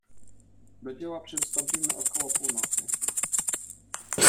"Do dzieła przystąpimy około północy."